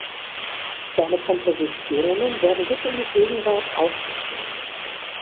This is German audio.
Seine Kompositionen werden bis in die Gegenwart aufgeführt.